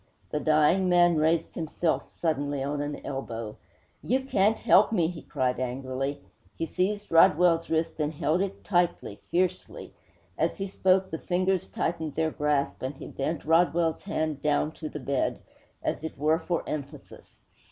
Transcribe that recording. The dying man raised himself suddenly on an elbow. 'You can't help me!' he cried angrily. He seized Rodwell's wrist and held it tightly, fiercely. As he spoke, the fingers tightened their grasp, and he bent Rodwell's hand down to the bed, as it were for emphasis.